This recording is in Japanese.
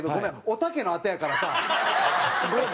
おたけのあとやからさ。